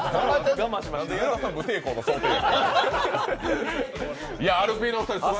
なんで矢田さん無抵抗の想定や。